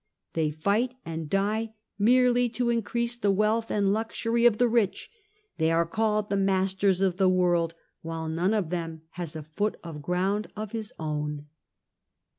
They fight and die merely to increase the wealth and luxury of the rich; they are called the masters of the world while none of them has a foot of ground of his own."